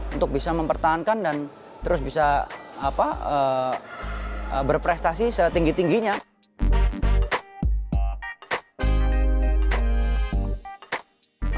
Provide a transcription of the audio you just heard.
untuk bisa mempertahankan dan terus bisa berprestasi setinggi tingginya